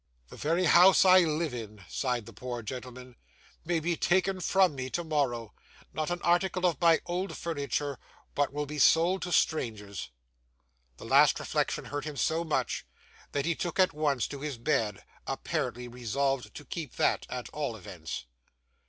'The very house I live in,' sighed the poor gentleman, 'may be taken from me tomorrow. Not an article of my old furniture, but will be sold to strangers!' The last reflection hurt him so much, that he took at once to his bed; apparently resolved to keep that, at all events.